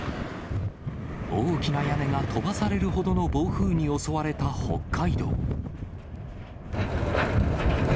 大きな屋根が飛ばされるほどの暴風に襲われた北海道。